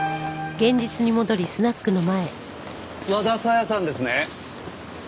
和田紗矢さんですね？